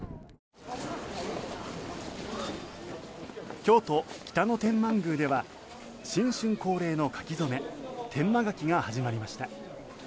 京都・北野天満宮では新春恒例の書き初め天満書が始まりました。